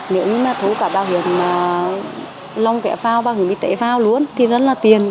nếu như mà thu cả bảo hiểm lông kẹo vào bảo hiểm y tế vào luôn thì rất là tiền